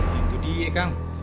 ya itu dia kang